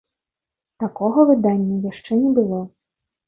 Такога выдання яшчэ не было.